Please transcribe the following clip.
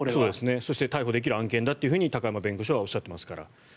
そして逮捕できる案件だと高山弁護士はおっしゃっていますから。